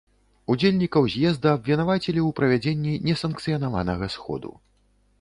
Удзельнікаў з'езда абвінавацілі ў правядзенні несанкцыянаванага сходу.